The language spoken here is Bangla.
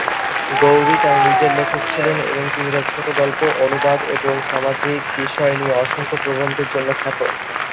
গৌরী তাঁর নিজের লেখক ছিলেন এবং তিনি তাঁর ছোট গল্প, অনুবাদ এবং সামাজিক বিষয় নিয়ে অসংখ্য প্রবন্ধের জন্য খ্যাত।